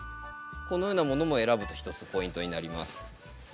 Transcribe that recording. このようなものも選ぶと一つポイントになります。